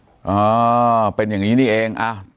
มันก็เป็นอย่างนี้นี่เองอะ